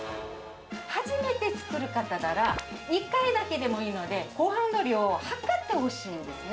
初めて作る方なら、１回だけでもいいので、ごはんの量を量ってほしいんですね。